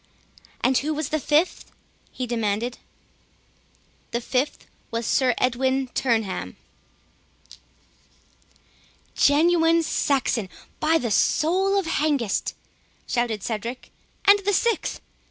"And who was the fifth?" he demanded. "The fifth was Sir Edwin Turneham." "Genuine Saxon, by the soul of Hengist!" shouted Cedric—"And the sixth?"